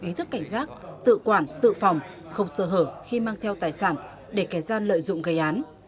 ý thức cảnh giác tự quản tự phòng không sơ hở khi mang theo tài sản để kẻ gian lợi dụng gây án